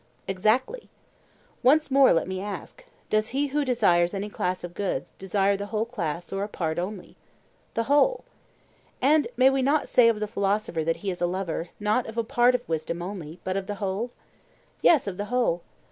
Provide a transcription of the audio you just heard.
Exactly. Once more let me ask: Does he who desires any class of goods, desire the whole class or a part only? The whole. And may we not say of the philosopher that he is a lover, not of a part of wisdom only, but of the whole? Yes, of the whole.